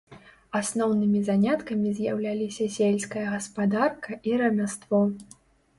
Асноўнымі заняткамі з'яўляліся сельская гаспадарка і рамяство.